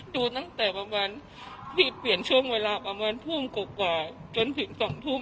ดูตั้งแต่ประมาณที่เปลี่ยนช่วงเวลาประมาณทุ่มกว่าจนถึง๒ทุ่ม